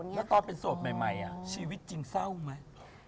แล้วตอนเป็นโสดใหม่ชีวิตจริงเศร้าไหม